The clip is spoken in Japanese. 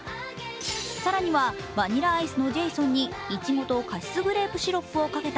更にはバニラアイスのジェイソンにいちごとカシスグレープシロップをかけた